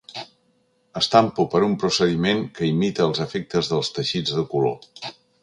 Estampo per un procediment que imita els efectes dels teixits de color.